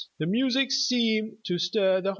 The music seemed to stir the whole city.